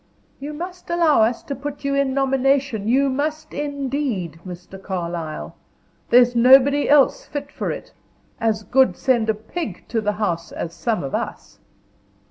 "You must allow us to put you in nomination you must, indeed, Mr. Carlyle. There's nobody else fit for it. As good send a pig to the House as some of us."